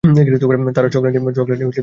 তারা চকলেট নিয়ে আবার আঘাত করবে!